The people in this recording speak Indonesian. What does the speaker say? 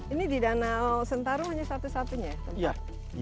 ini di danau sentarung hanya satu satunya ya